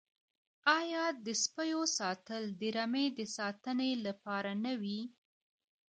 آیا د سپیو ساتل د رمې د ساتنې لپاره نه وي؟